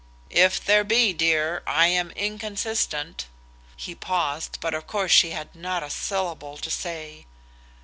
"If there be, dear, I am inconstant." He paused, but of course she had not a syllable to say.